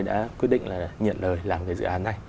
đã quyết định là nhận lời làm cái dự án này